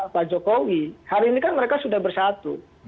pak jokowi hari ini kan mereka sudah bersatu